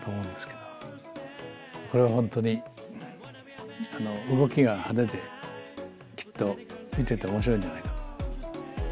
これは本当に動きが派手できっと見てて面白いんじゃないかと思う。